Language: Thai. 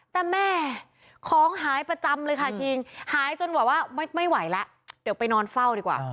แต่แม่ของหายประจำเลยค่ะคิงหายจนแบบว่าไม่ไหวแล้วเดี๋ยวไปนอนเฝ้าดีกว่า